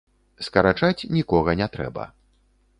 Скарачаць нікога не трэба.